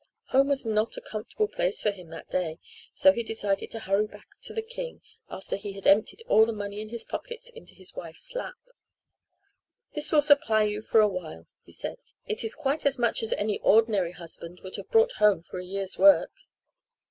Home was not a comfortable place for him that day, so he decided to hurry back to the king after he had emptied all the money in his pockets into his wife's lap. "This will supply you for a while," he said. "It is quite as much as any ordinary husband would have brought home for a year's work."